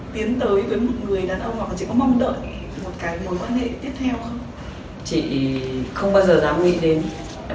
tiến tới với một người đàn ông hoặc là chị có mong đợi một cái mối quan hệ tiếp theo không